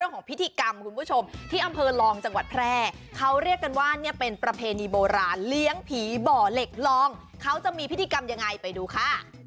ของพิธีกรรมคุณผู้ชมที่อำเภอลองจังหวัดแพร่เขาเรียกกันว่าเนี่ยเป็นประเพณีโบราณเลี้ยงผีบ่อเหล็กลองเขาจะมีพิธีกรรมยังไงไปดูค่ะ